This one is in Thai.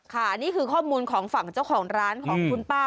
นี่คือข้อมูลของฝั่งเจ้าของร้านของคุณป้า